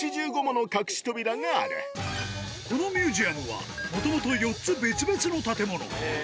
このミュージアムは、もともと４つ、別々の建物。